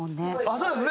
そうですね。